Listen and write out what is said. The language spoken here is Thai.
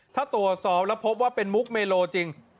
ถ้าตรวจสอบแล้วพบว่าเป็นมุกเมโลจริง